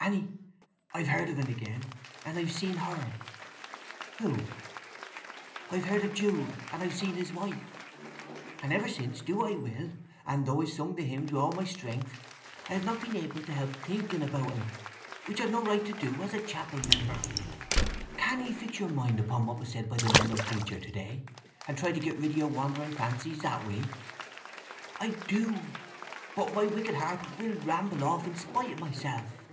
Anny, I've heard of un again, and I've seen her!" "Who?" "I've heard of Jude, and I've seen his wife. And ever since, do what I will, and though I sung the hymns wi' all my strength, I have not been able to help thinking about 'n; which I've no right to do as a chapel member." "Can't ye fix your mind upon what was said by the London preacher to day, and try to get rid of your wandering fancies that way?" "I do. But my wicked heart will ramble off in spite of myself!"